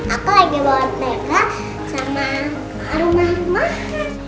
aku lagi bawa teka sama arumah arumah